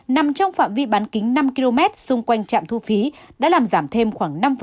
nằm trong phạm vi bán kính năm km xung quanh trạm thu phí đã làm giảm thêm khoảng năm